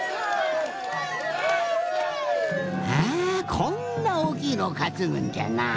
あこんなおおきいのをかつぐんじゃな。